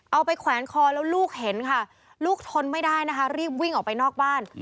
แขวนคอแล้วลูกเห็นค่ะลูกทนไม่ได้นะคะรีบวิ่งออกไปนอกบ้าน